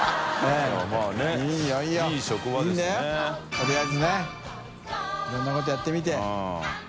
とりあえずねいろんなことやってみて。